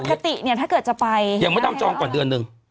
สถานกระทิเนี่ยถ้าเกิดจะไปยังไม่ต้องจองก่อนเดือนนึง